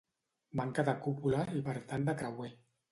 Manca de cúpula i per tant de creuer.